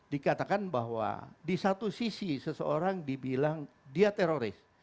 dikatakan bahwa di satu sisi seseorang dibilang dia teroris